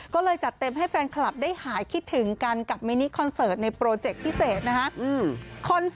ก็เลยจัดเต็มให้แฟนคลับได้หายคิดถึงกันกับมินิคอนเสิร์ตในโปรเจคพิเศษนะฮะ